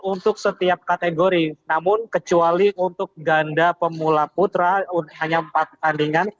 untuk setiap kategori namun kecuali untuk ganda pemula putra hanya empat pertandingan